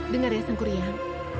dengar ya sang gurian